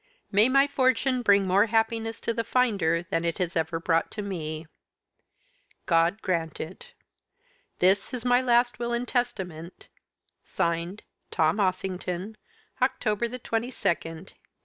"May my fortune bring more happiness to the finder than it has ever brought to me. "God grant it. "This is my last will and testament. "(Signed) Thomas Ossington, "October the twenty second, 1892.